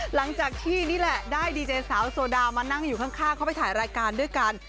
หลังจากที่นี่แหละได้ดีเจสาวโซดามานั่งอยู่ข้างเขาไปถ่ายรายการด้วยกัน